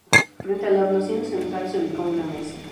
Frente a la hornacina central se ubicó una mesa.